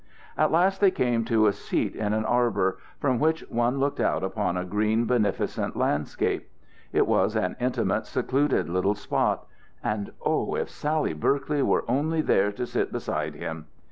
At last they came to a seat in an arbour, from which one looked out upon a green beneficent landscape. It was an intimate secluded little spot and oh, if Sally Berkeley were only there to sit beside him!